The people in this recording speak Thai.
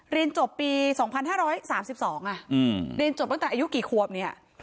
เรียนจบปี๒๕๓๒เรียนจบตั้งแต่อายุกี่ขวบเนี่ย